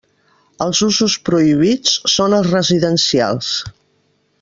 Els usos prohibits són els residencials.